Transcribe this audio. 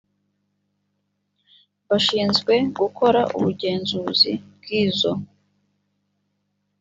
bashinzwe gukora ubugenzuzi bw izo